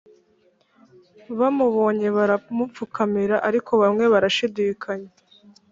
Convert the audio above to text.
Bamubonye baramupfukamira, ariko bamwe barashidikanya